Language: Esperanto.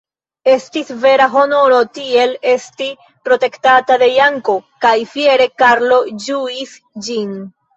Estis vera honoro tiel esti protektata de Janko, kaj fiere Karlo ĝuis ĝin.